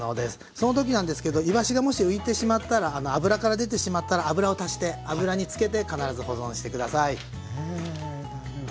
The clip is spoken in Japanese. その時なんですけどいわしがもし浮いてしまったらあの油から出てしまったら油を足して油につけて必ず保存して下さい。ねなるほど。